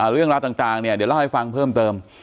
เรื่องราวต่างเนี่ยเดี๋ยวเล่าให้ฟังเพิ่มเติม